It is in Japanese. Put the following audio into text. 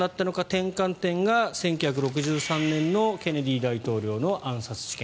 転換点が１９６３年のケネディ大統領の暗殺事件。